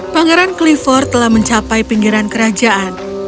pangeran cliffor telah mencapai pinggiran kerajaan